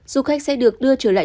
du khách sẽ được đưa trở lại